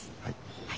はい。